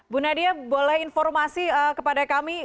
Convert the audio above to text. bu nadia boleh informasi kepada kami